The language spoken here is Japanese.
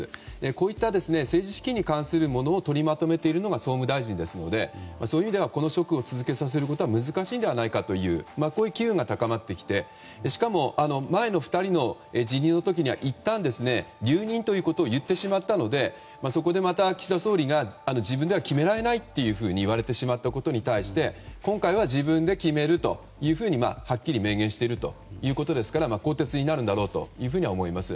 こういった政治資金に関するものを取りまとめているのが総務大臣ですのでそういう意味ではこの職を続けさせるのは難しいんではないのかという機運が高まってきてしかも前の２人の辞任の時にはいったん留任ということを言ってしまったのでそこでまた岸田総理が自分では決められないと言われてしまったことに対して今回は自分で決めるとはっきり明言しているということですから更迭になるんだろうというふうには思います。